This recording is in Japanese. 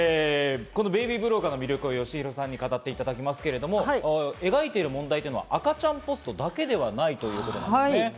『ベイビー・ブローカー』の魅力をよしひろさんに語っていただきますが、描いている問題点は赤ちゃんポストだけではないっていうことですね。